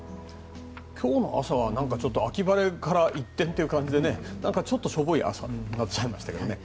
今日の朝は秋晴れから一転という感じでちょっとしょぼい朝になっちゃいましたけどね。